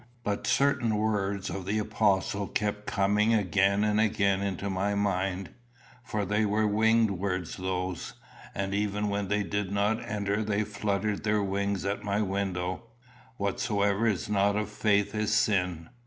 But certain words of the apostle kept coming again and again into my mind; for they were winged words those, and even when they did not enter they fluttered their wings at my window: "Whatsoever is not of faith is sin."